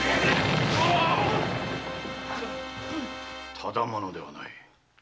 ただ者ではない。